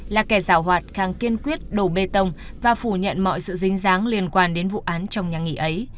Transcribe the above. là kẻ giảo hoạt càng kiên quyết đổ bê tông và phủ nhận mọi sự dính dáng liên quan đến vụ án trong nhà nghỉ ấy